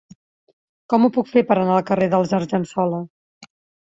Com ho puc fer per anar al carrer dels Argensola?